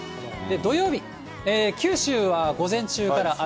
土曜日、九州は午前中から雨。